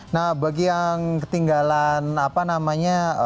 nah bagi yang ketinggalan apa namanya